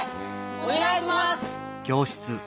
おねがいします！